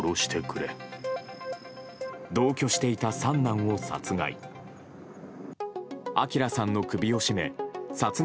同居していた三男を殺害。